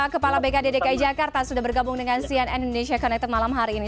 kepala bkd dki jakarta sudah bergabung dengan cnn indonesia connected malam hari ini